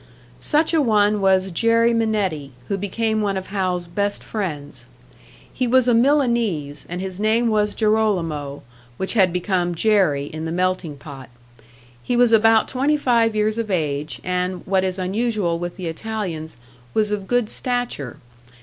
Such a one was Jerry Minetti, who became one of Hal's best friends. He was a Milanese, and his name was Gerolamo, which had become Jerry in the "melting pot." He was about twenty five years of age, and what is unusual with the Italians, was of good stature.